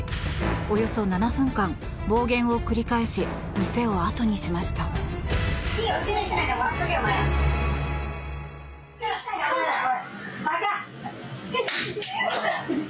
およそ７分間暴言を繰り返し店をあとにしました。